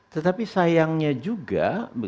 tetapi sayangnya juga